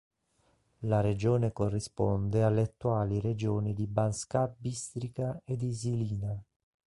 La regione corrisponde alle attuali regioni di Banská Bystrica e di Žilina.